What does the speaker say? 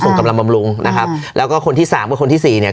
กำลังบำรุงนะครับแล้วก็คนที่สามกับคนที่สี่เนี่ย